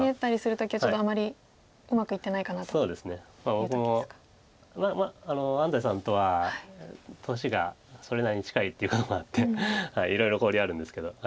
僕も安斎さんとは年がそれなりに近いっていうこともあっていろいろ交流あるんですけど。